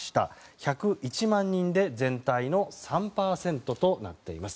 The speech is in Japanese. １０１万人で全体の３％となっています。